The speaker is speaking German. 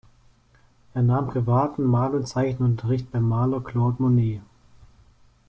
Er nahm privaten Mal- und Zeichenunterricht beim Maler Claude Monet.